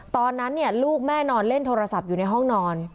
ตอนนั้นลูกแม่นอนเล่นโทรศัพท์อยู่ในห้องนอน